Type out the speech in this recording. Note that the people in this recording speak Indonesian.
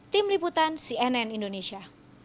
tim liputan cnn indonesia